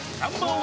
１